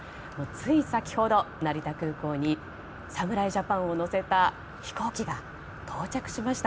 つい先ほど成田空港に侍ジャパンを乗せた飛行機が到着しました。